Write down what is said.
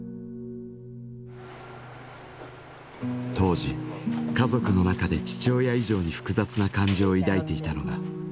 当時家族の中で父親以上に複雑な感情を抱いていたのが母親でした。